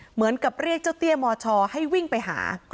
เหมือนกับเรียกเจ้าเตี้ยมชให้วิ่งไปหา